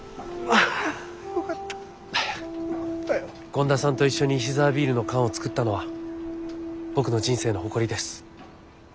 権田さんと一緒に石沢ビールの缶を作ったのは僕の人生の誇りです。